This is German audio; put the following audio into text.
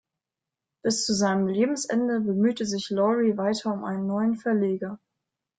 Bis zu seinem Lebensende bemühte sich Lowry weiter um einen neuen Verleger.